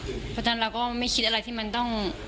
เพราะฉะนั้นเราก็ไม่คิดอะไรที่มันต้อง